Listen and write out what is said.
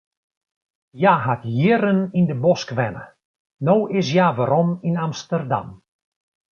Hja hat jierren yn de bosk wenne, no is hja werom yn Amsterdam.